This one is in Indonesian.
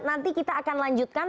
nanti kita akan lanjutkan